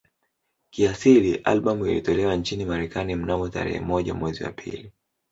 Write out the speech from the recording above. Kiasili albamu ilitolewa nchini Marekani mnamo tarehe moja mwezi wa pili